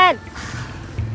itu udah sama